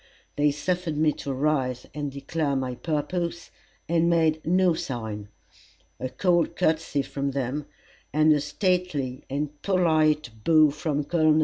they suffered me to rise and declare my purpose, and made no sign. A cold courtesy from them, and a stately and polite bow from Col.